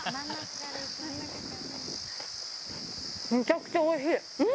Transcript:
めちゃくちゃおいしい。